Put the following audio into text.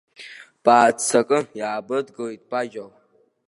Бааццакы, иаабыдгылеит баџьал!